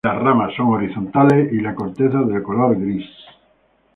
Las ramas son horizontales y la corteza de color gris.